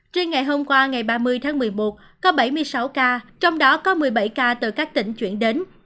trên ngày hôm qua ngày ba mươi tháng một mươi một có bảy mươi sáu ca trong đó có một mươi bảy ca từ các tỉnh chuyển đến